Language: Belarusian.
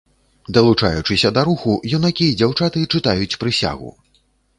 Далучаючыся да руху, юнакі і дзяўчаты чытаюць прысягу.